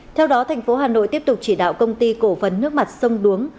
theo đó tp hà nội tiếp tục chỉ đạo công ty cổ phần nước mặt sông đuống